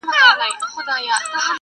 هره ورځ به وو دهقان ته پټ په غار کي؛